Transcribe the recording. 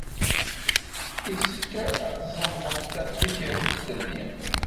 Yessefk ad tzemḍemt tikerrist-nni.